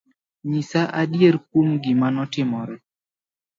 Nyisa adier kuom gima notimore